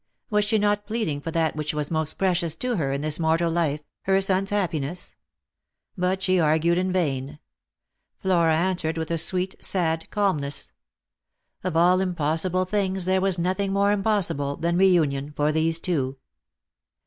Was she not pleading for that which was most precious to her in this mortal life — her son's happiness? But she argued in vain. Flora answered with a sweet sad calmness. Of all impossible things there was nothing more impossible than reunion for these two.